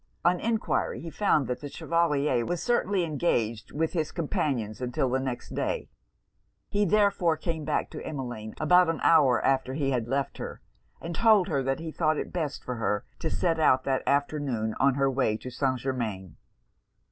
On enquiry, he found that the Chevalier was certainly engaged with his companions 'till the next day. He therefore came back to Emmeline about an hour after he had left her, and told her that he thought it best for her to set out that afternoon on her way to St. Germains.